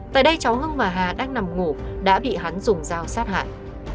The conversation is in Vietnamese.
tại đây cháu hưng và hà đang nằm ngủ đã bị hắn dùng dao sát hại